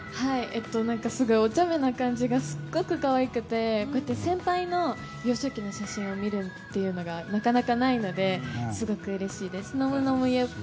すごいおちゃめな感じがすごくかわいくて先輩の幼少期の写真を見るというのがなかなかないのですごくうれしいです。